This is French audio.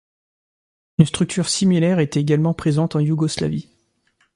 Une structure similaire était également présente en Yougoslavie.